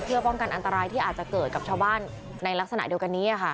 เพื่อป้องกันอันตรายที่อาจจะเกิดกับชาวบ้านในลักษณะเดียวกันนี้